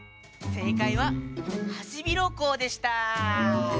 せいかいはハシビロコウでした。